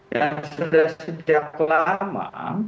yang sudah sejak lama